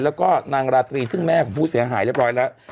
แล้วก็นางราตรีซึ่งแม่ของผู้เสียหายเรียบร้อยแล้ว